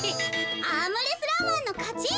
アームレスラーマンのかち！